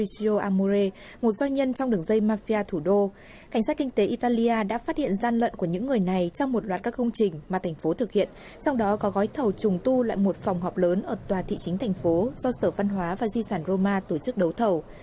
cảnh sát kinh tế italia đã phát hiện gian lận của những người này trong một loạt các công trình mà thành phố thực hiện trong đó có gói thầu trùng tu lại một phòng họp lớn ở tòa thị chính thành phố do sở văn hóa và di sản roma tổ chức đấu thầu